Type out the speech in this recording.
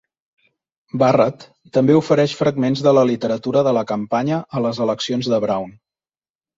Barrett també ofereix fragments de la literatura de la campanya a les eleccions de Brown.